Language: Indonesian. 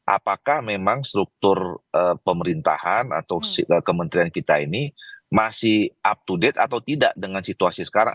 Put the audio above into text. apakah memang struktur pemerintahan atau kementerian kita ini masih up to date atau tidak dengan situasi sekarang